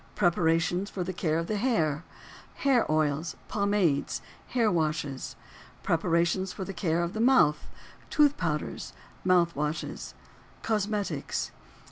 PREPARATIONS FOR THE CARE OF THE HAIR. Hair oils, pomades, hair washes. PREPARATIONS FOR THE CARE OF THE MOUTH. Tooth powders, mouth washes. COSMETICS.